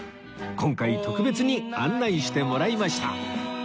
今回特別に案内してもらいました